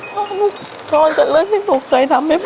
พ่อลูกช้อนแต่เรื่องที่หนูเคยทำให้พ่อเสียใจ